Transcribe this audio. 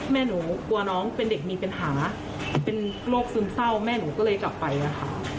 แม่หนูกลัวน้องเป็นเด็กมีปัญหาเป็นโรคซึมเศร้าแม่หนูก็เลยกลับไปอะค่ะ